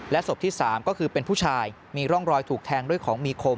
ศพที่๓ก็คือเป็นผู้ชายมีร่องรอยถูกแทงด้วยของมีคม